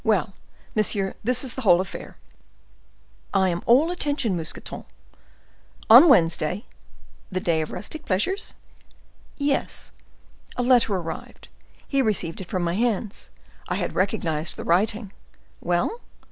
Well, monsieur, this is the whole affair." "I am all attention, Mousqueton." "On Wednesday—" "The day of the rustic pleasures?" "Yes—a letter arrived; he received it from my hands. I had recognized the writing." "Well?"